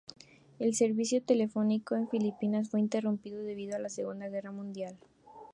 El servicio telefónico en Filipinas fue interrumpido debido a la Segunda Guerra Mundial.